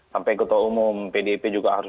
sampai ketua umum pdip juga harus